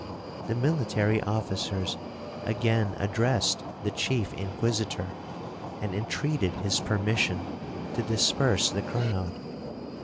The military officers again addressed the chief Inquisitor, and intreated his permission to disperse the crowd.